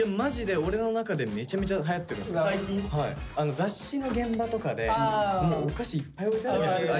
雑誌の現場とかでもうお菓子いっぱい置いてあるじゃないですか。